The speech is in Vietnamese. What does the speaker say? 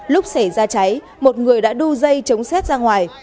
lúc xảy ra cháy một người đã đu dây chống xét ra ngoài